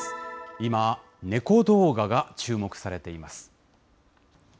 今、猫動画が注目されています。